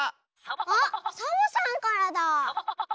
あっサボさんからだ。